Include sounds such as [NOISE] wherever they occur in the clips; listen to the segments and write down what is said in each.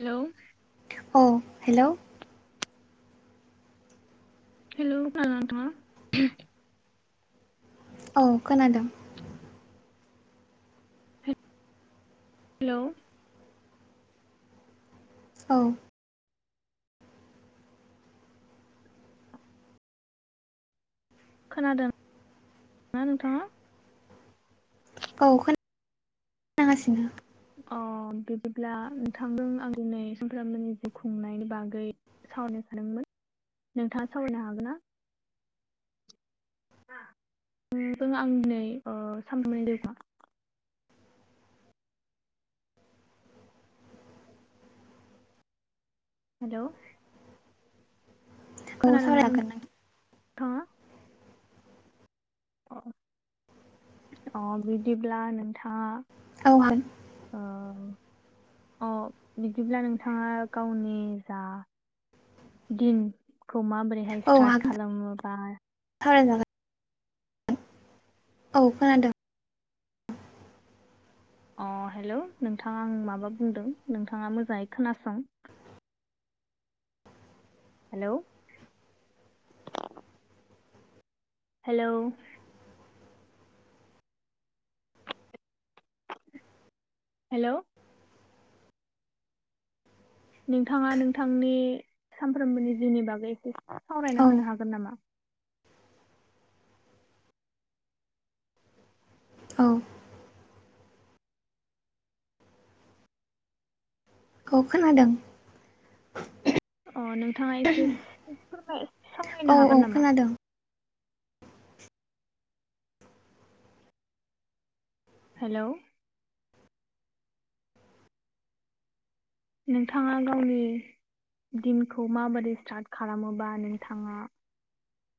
Hello औ hello hello खोनादोंना नोंथाङा औ खोनादों हेलौ औ खोनादोंना नोंथाङा औ खोनागासिनो अ बिदिब्ला नोंथांदों आं दिनै सामफ्रामबोनि जिउ खुंनायनि बागै सावरायनो सादोंमोन नोंथाङा सावरायनो हागोन ना? नोंजों आं दिनै ओ [UNINTELLIGIBLE] हेलौ औ खोनादोंना सावरायनो हागोन नोंथां नोंथाङा अ अ बिदिब्ला नोंथाङा औ ओ अ बिदिब्ला नोंथाङा गावनि जा दिनखौ माबोरैहाय औ स्टार्ट हागोन खालामो बा सावरायजागोन औ खोनादों अ हेलौ नोंथाङा आं माबा बुंदों नोंथाङा मोजाङै खोनासं हेलौ हेलौ हेल'। नोंथाङा नोंथांनि सामफ्रोमबोनि जिउनि बागै एसे औ सावरायना होनो हागोन नामा? औ औ खोनादों। अ नोंथाङा एसे एसे फोरमाय सावरायनो औ हागोन औ नामा खोनादों। हेलौ। नोंथाङा गावनि दिनखौ माबादि स्टार्ट खालामोबा नोंथाङा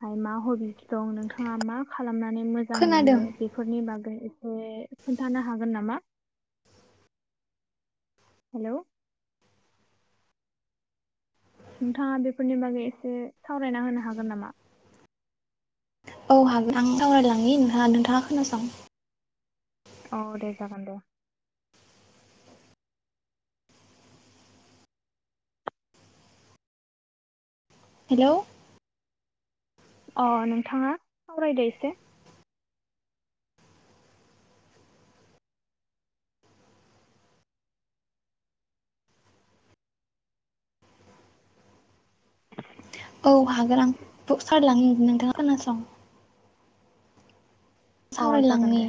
हाय मा हबि दं नोंथाङा मा खालामनानै मोजां। मोजां मोनो खोनादों बेफोरनि बागै एसे खोन्थानो हागोन नामा? हेलौ। नोंथाङा बेफोरनि बागै एसे सावरायना होनो हागोन नामा? औ हागोन आं सावरायलांनि नोंथाङा नोंथाङा खोनासं। औ दे जागोन दे। हेलौ अ नोंथाङा सावरायदो एसे। [INAUDIBLE] औ हागोन आं सावरायलांनो नोंथाङा खोनासं। अ जागोन सावरायलांनि। दे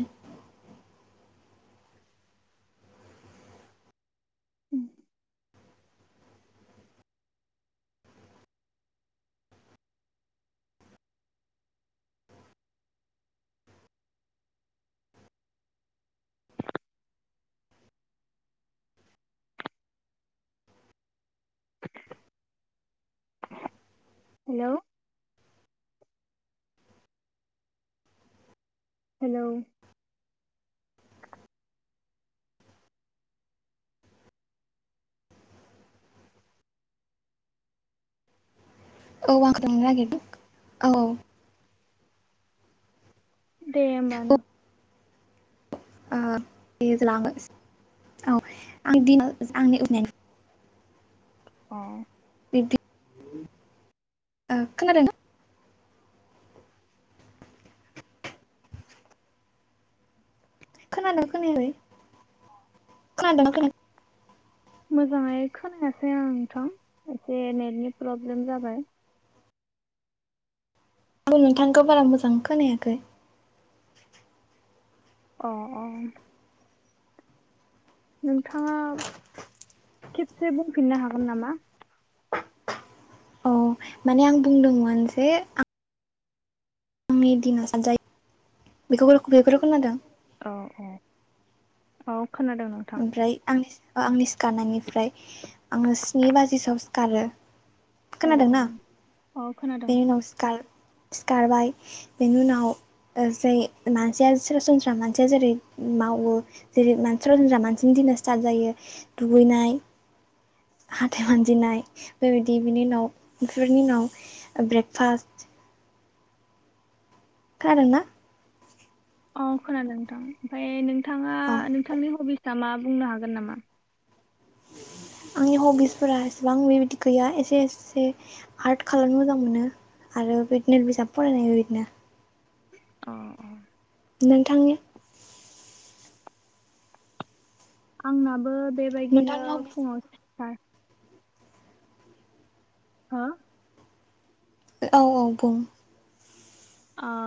उम। Hello hello. औ आंखौ लांनो नागिरदों औ औ। दे होमबा नों [UNINTELLIGIBLE] अ। बिदि खोनादों। खोनादों खोनायै खोनादों खोन मोजाङै खोनायासै आं नोंथां एसे नेटनि प्रब्लेम जाबाय। आंबो नोंथांखौ बारा मोजां खोनायाखै। अ अ। नोंथाङा खेबसे बुंफिननो हागोन नामा? औ माने आं बुंदोंमोन जे आंनि दिना सानजायो बेखौ बेखौ खोनादों। औ औ औ खोनादों नों ओमफ्राय आंनि आंनि सिखारनायनिफ्राय आङो स्नि बाजिसोआव सिखारो। औ औ खोनादोंना? औ खोनादों बेनि उनावखार सिखारबाय बेनि उनाव। जै मानसिया सरासनस्रा मानसिया जेरै मावो। जेरै मानसिफ्रा जोंज्रा मानसिनि दिननो स्टार्ट जायो दुगैनाय। हाथाय मानजिनाय बेबायदि बिनि उनाव बेफोरनि उनाव ब्रेकफास्ट। खायोना अ खोनादों नोंथां ओमफ्राय नोंथाङा। औ। नोंथांनि हबिसा मा बुंनो हागोन नामा? आंनि हबिसफोरा एसेबां बेबायदि गैया एसे एसे। आर्ट खालामनो मोजां मोनो आरो बिदिनो बिजाब फरायनाय बे बिदिनो। अ अ नोंथांनि आंनाबो बेबायदिनो नोंथांनि हबिस फुङाव सिखार हा औ औ बुं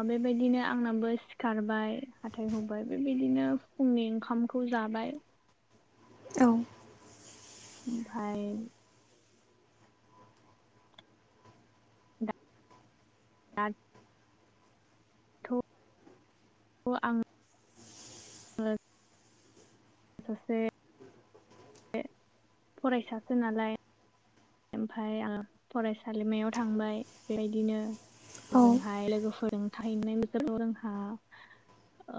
बेबायदिनो आंनाबो सिखारबाय हाथाय हुबाय बेबायदिनो फुंनि ओंखामखौ जाबाय औ ओमफ्राय [UNINTELLIGIBLE] थ' अ आं सासे फरायसासो नालाय ओमफ्राय आं फरायसालिमायाव थांबाय बेबायदिनो औ ओजोंहाय लोगोफोरजों थाहैनाय बोथोराव जोंहा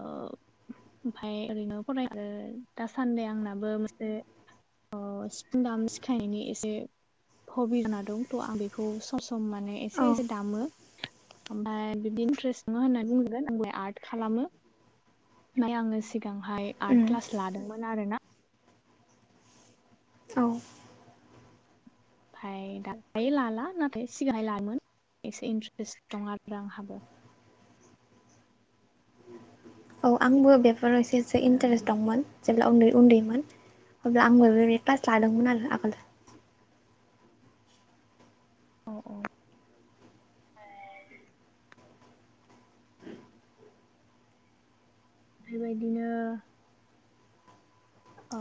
ओमफ्राय ओरैनो फरायो आरो दासान्दि आंनाबो मोनसे अ सिफुं दामनो सिखायनायनि एसे हबि जाना दं थ' आं बेखौ सम सम माने एसे औ एसे दामो ओमफ्राय बिदि इन्ट्रेस्ट नङा होननानै बुंनांगोन आंलाय आर्ट खालामो ओमफ्राय आङो सिगांहाय आर्ट उम क्लास लादोंमोन आरो ना औ ओमफफ्राय दा दायो लाला नाथाय सिगांह लाायोमोन एसे इन्ट्रेस्ट दं आरो आंहाबो औ आंबो बेफोराव एसे एसे आरो इन्टारेस्ट दंमोन जेब्ला उन्दै उन्दैमोन अब्ला आंबो बे क्लास लादोंमोन आरो आगोल बेबायदिनो ओ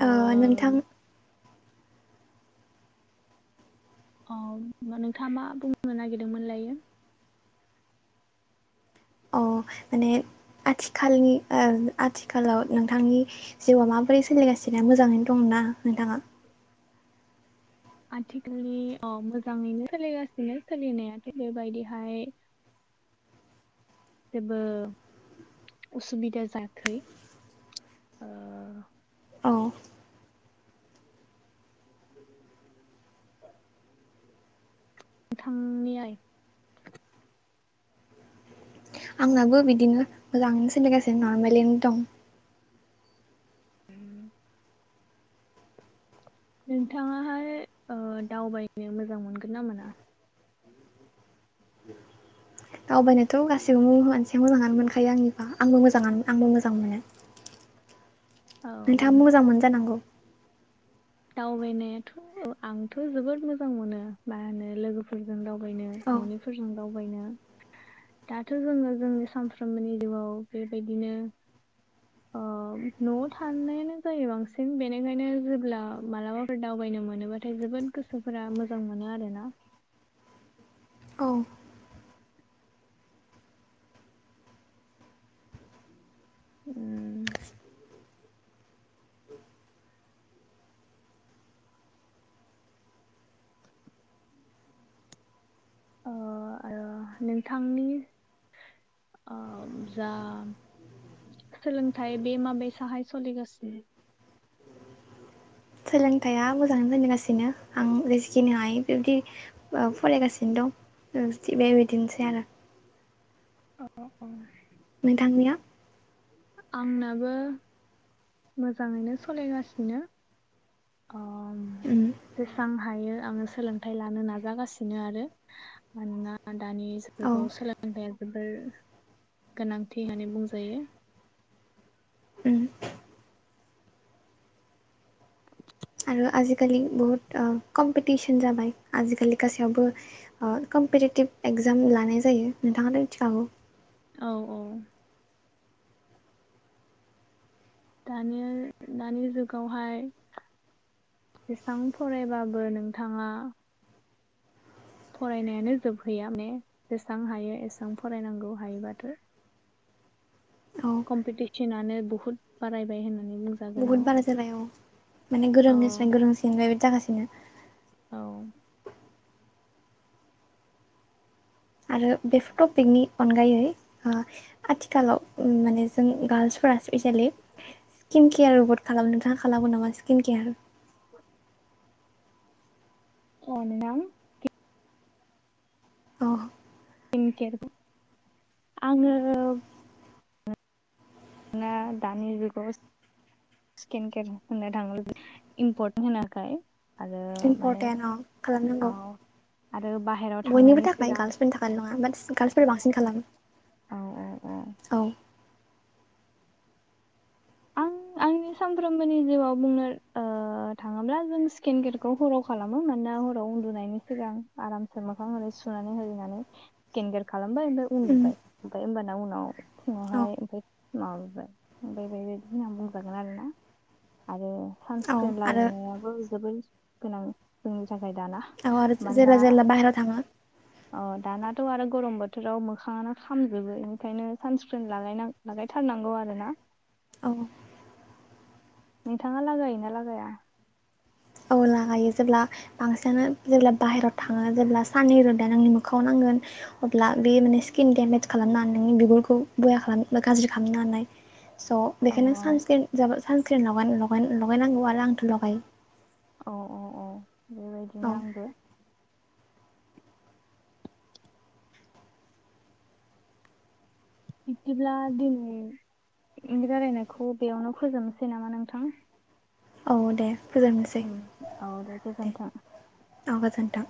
औ नोंथाङा मा बुंनो नागिरदोंमोनलायो अ माने आथिखालनि आथिखालाव नोंथांनि जिउआ माबोरै सोलिगासिनो मोजाङैनो दंना नोंथाङा आथिखालनि मोजाङैनो सोलिगासिनो सोलिनायाथ' बेबायदिहाय जेबो उसुबिदा जायाखै औ मोनथामनि आइ आंनाबो बिदिनो मोजाङैनो सोलिगासिनो नर्मेलिनो दं उम नोंथाङाहाय दावबायनो मोजां मोनगोन ना मोना दावबायनोथ' गासिबो मानसिया मोजाङानो मोनखायो आंनिबा आंबो मोजाङानो आंबो मोजां मोनो नोंथाङा औ मोजां मोनोजानांगौ दावबायनायाथ' आंथ' जोबोद मोजां मोनो मा होनो लोगोफोरजों दावबायनो औ न'निफोरजों दावबायनो दाथ' जोङो जोंनि सानफ्रोमबोनि जिउआव बेबायदिनो न'आव थानायानो जायो बांसिन बेनिखायनो जेब्ला मालाबाफोर दावबायनो मोनोबा नाथाय जोबोद गोसोफोरा मोजां मोनो आरो ना औ उम नोंथांनि आ जा सोलोंथाइ बे माबायसाहाय सोलिगासिनो सोलोंथाइया मोजाङै सलिगासिनो आं जेसेखिनि हायो बेबदि फरायगासिनो दं बेबायदिनोसै आरो औ नोंथांनिया आंनाबो मोजाङैनो सलायगासिनो आं उम जेसबां हायो आङो सोलोंथाइ लानो नाजागासिनो आरो मानोना दानि औ जुगगाव सोलोंथाया जोबोर गोनांथि होननानै बुंजायो। उम [INAUDIBLE] आरो आजिखालि बहुत ओ कम्पिटिसन जाबाय आजिखालि गासैयावबो ओ कमपिटिटिभ एगजाम लानाय जायो नोंथाङाथ' मिथिखागौ औ औ दानि दानि जुगावहाय बेसेबां फरायबाबो नोंथाङा फरायनायानो जोबहैया माने जेसेबां हायो एसेबां फरायनांगौ हायोबाथ' औ कम्पिटिसनानो बुहुत बारायबाय होननानै बुंङो। बुहुत बारा जाबाय औ माने औ गोरोंनिफ्राय गोरोंसिन बेबायदि जागासिनो औ आरो बेफोर टपिकनि अनगायै ओ आथिखालाव उम माने जों गार्लस फोर स्पेसियेलि स्किन केयार रबोट खालामनो नोंथाङा खालामो नामा स्किन केयार [UNINTELLIGIBLE] औ नोंथां अ बेनि गेर आङो ना दा दानि जुगाव स्किन केयार फोननाय थां इमपर्टेन्ट होनाखाय इम्पर्टेन्ट अ औ खालामनांगौ आरो बाहेरायाव बयनिबो थांनायनि थाखाय सिगां गार्ल्सफोरनि थाखायल' नङा बाट गार्ल्सफोर बांसिन खालामो औ औ औ औ आं आंनि सानफ्रोमबोनि जिउआव बुंनो ओ थाङोब्ला जों स्किन केेयारखौ हराव खालामो मानोना हराव उन्दुनायनि सिगां आरामसे मोखां हरै सुनानै होरिनानै गेनगेर खालामबाय ओमफ्राय उम उन्दुबाय ओमफ्राय होमबाना उनाव औ फुङावहाय ओमफ्राय माबाबाय [UNINTELLIGIBLE] बिदि होनना बुंजागोन आरोना आरो औ सानस्क्रिन आरो लागायनायाबो जोबोरै गोनां जोंनि थाखाय दाना ओ आरो जेला मानोना जेला बाहेरायाव थाङो अ दानाथ' आरो गरम बोथोराव मोखाङानो खामजोबो ओंखायनो सानस्क्रिन लागायना लागायथारनांगौ आरो ना औ नोंथाङा लागायोना लागाया औ लागायो जेब्ला बांसिनानो जेब्ला बाहेरायाव थाङो जेब्ला साननि रोदानो आंनि मोखाङाव नांगोन अब्ला बे माने स्किन डेमेज खालामना नोंनि बिगुरखौ बया खालाम गाज्रि खालामनो हानाय। स' औ बेखायनो सानस्क्रिन जाब सानस्क्रिन लगाय लगायनांगौ आरो आंथ' लगायो अ औ औ बेबायदिनो औ आंबो बिदिब्ला दिनै रायलायनायखौ बेयावनो फोजोबनोसै नामा नोंथां औ दे फोजोबनोसै उम औ दे गोजोन्थों औ गोजोन्थों